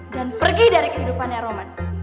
dan pergi dari kehidupannya romand